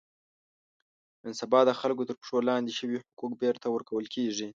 نن سبا د خلکو تر پښو لاندې شوي حقوق بېرته ور کول کېږي.